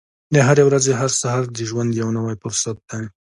د هرې ورځې هر سهار د ژوند یو نوی فرصت دی.